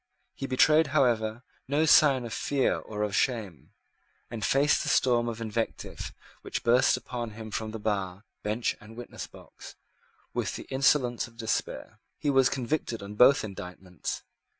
He betrayed, however, no sign of fear or of shame, and faced the storm of invective which burst upon him from bar, bench, and witness box, with the insolence of despair. He was convicted on both indictments.